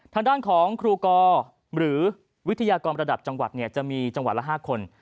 ทางด้านของครูกอหรือวิทยากรระดับจังหวัดจะมีจังหวัดละ๕คน